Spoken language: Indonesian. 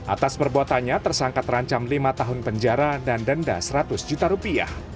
atas perbuatannya tersangka terancam lima tahun penjara dan denda seratus juta rupiah